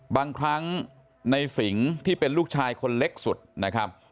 บางครั้งในสิงที่เป็นลูกชายคนเล็กสุดนะครับ